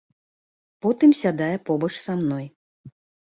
Потым сядае побач са мной.